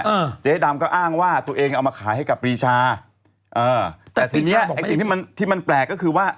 เออเจ๊ดำก็อ้างว่าตัวเองเอามาขายให้กับปรีชาเออแต่ทีเนี้ยไอ้สิ่งที่มันที่มันแปลกก็คือว่า